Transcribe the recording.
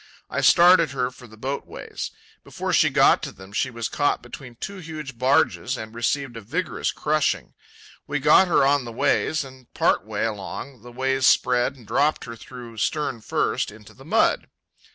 I started her for the boat ways. Before she got to them she was caught between two huge barges and received a vigorous crushing. We got her on the ways, and, part way along, the ways spread and dropped her through, stern first, into the mud.